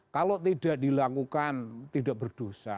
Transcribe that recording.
kalau tidak dilakukan tidak berdosa